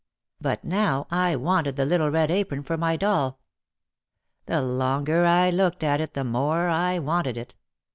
But now I wanted the little red apron for my doll. The longer I looked at it the more I wanted it.